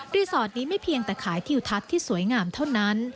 สอดนี้ไม่เพียงแต่ขายทิวทัศน์ที่สวยงามเท่านั้น